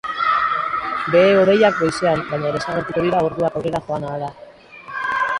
Behe-hodeiak goizean, baina desagertuko dira orduak aurrera joan ahala.